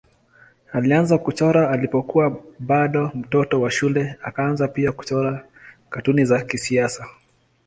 Alianza kuchora alipokuwa bado mtoto wa shule akaanza pia kuchora katuni za kisiasa.